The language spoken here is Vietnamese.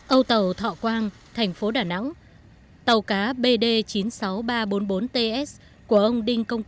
âu tàu thọ quang tp đà nẵng